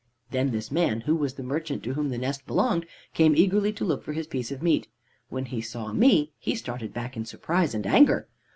Then this man, who was the merchant to whom the nest belonged, came eagerly to look for his piece of meat. When he saw me, he started back in surprise and anger.